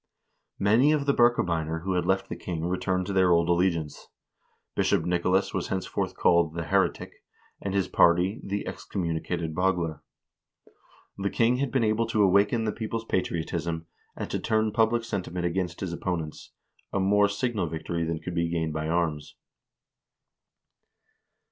Many of the Birkebeiner who had left the king returned to their old allegiance; Bishop Nicolas was henceforth called "the heretic," and his party "the excommunicated Bagler." The king had been able to awaken the people's patriotism, and to turn public sentiment against his opponents — a more signal victory than could be gained by arms.